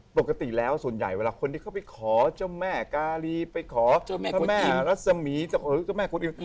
ปกติแล้วส่วนใหญ่เวลาคนที่เขาไปขอเจ้าแม่กาลีไปขอเจ้าแม่กดอิน